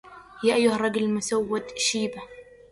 يا أيها الرجل المسود شيبه